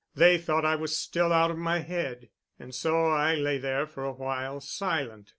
They thought I was still out of my head. And so I lay there for a while, silent.